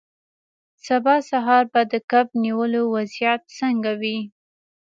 سبا سهار به د کب نیولو وضعیت څنګه وي